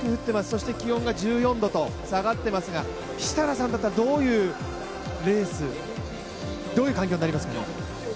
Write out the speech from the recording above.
そして気温が１４度と下がっていますが、設楽さんだったら、どういうレースどういう環境になりますか？